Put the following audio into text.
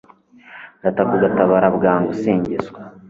ndataka ugatabara bwangu, singizwa